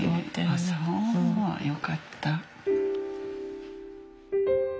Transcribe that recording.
ああそうよかった。